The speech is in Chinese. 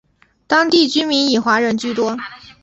当地居民以华人居多。